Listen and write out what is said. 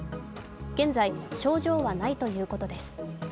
現在、症状はないということです。